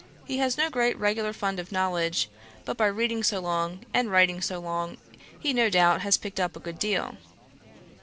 He has no great regular fund of knowledge; but by reading so long, and writing so long, he no doubt has picked up a good deal.'